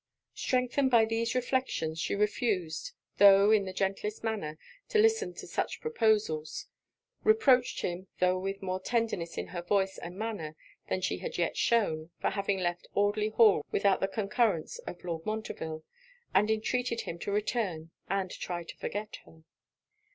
Strengthened by these reflections, she refused, tho' in the gentlest manner, to listen to such proposals; reproached him, tho' with more tenderness in her voice and manner than she had yet shewn, for having left Audley Hall without the concurrence of Lord Montreville; and entreated him to return, and try to forget her.